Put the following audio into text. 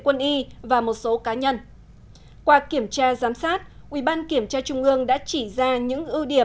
quân y và một số cá nhân qua kiểm tra giám sát ủy ban kiểm tra trung ương đã chỉ ra những ưu điểm